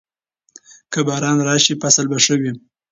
که باران راشي، فصل به ښه وي.